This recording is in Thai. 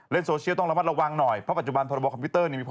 เล่นโซเชียลต้องระมัดระวังหน่อย